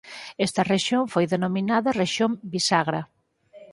Esta rexión foi denominada rexión bisagra.